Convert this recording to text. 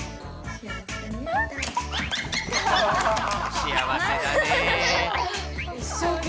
幸せだねー。